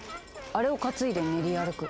あれを担いで練り歩く。